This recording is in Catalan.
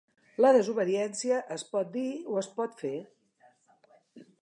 La desobediència es pot dir o es pot fer.